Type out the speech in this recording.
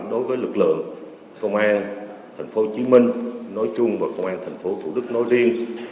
đối với lực lượng công an thành phố hồ chí minh nói chung và công an thành phố thủ đức nói riêng